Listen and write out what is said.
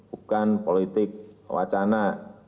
bukan politik wacana